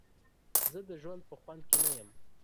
زه د ژوند په خوند کې نه یم.